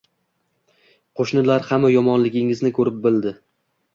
Qoʻshnilar hamma yomonligingizni koʻrib-bildi.